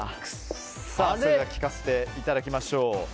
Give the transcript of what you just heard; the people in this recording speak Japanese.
それでは聞かせていただきましょう。